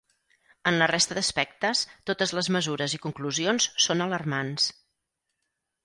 En la resta d’aspectes, totes les mesures i conclusions són alarmants.